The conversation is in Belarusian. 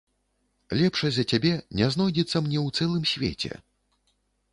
Лепшай за цябе не знойдзецца мне ў цэлым свеце!